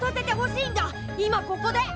今ここで。